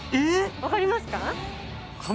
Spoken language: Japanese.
わかりますか？